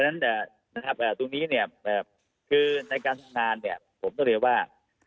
ฉะนั้นตรงนี้เนี่ยคือในการทำงานเนี่ยผมต้องเรียนว่า